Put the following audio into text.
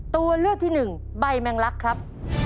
ตัวเลือกที่๑ใบแมงลักครับ